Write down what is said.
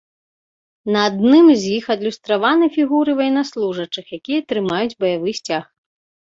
На адным з іх адлюстраваны фігуры ваеннаслужачых, якія трымаюць баявы сцяг.